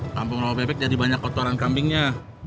kampung loha pepek jadi banyak kotoran kambingnya